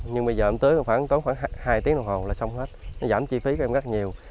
nhưng bây giờ em tưới khoảng hai tiếng đồng hồ là xong hết nó giảm chi phí của em rất nhiều